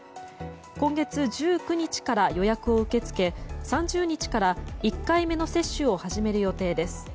今月１９日から予約を受け付け３０日から１回目の接種を始める予定です。